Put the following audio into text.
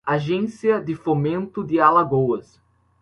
Agência de Fomento de Alagoas